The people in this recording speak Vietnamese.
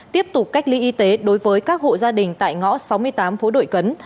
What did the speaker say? tiếp tục cách ly y tế đối với các hộ gia đình tại ngõ sáu mươi tám phố đội cấn